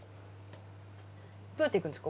どうやって行くんですか？